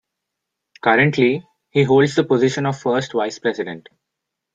Currently, he holds the position of First Vice-President.